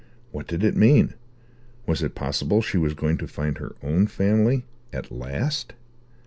What did it mean? Was it possible she was going to find her own family at last?